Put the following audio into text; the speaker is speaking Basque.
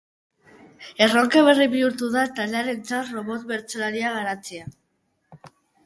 Erronka berria bihurtu da taldearentzat robot bertsolaria garatzea.